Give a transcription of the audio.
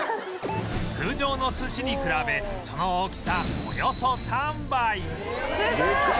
通常の寿司に比べその大きさおよそ３倍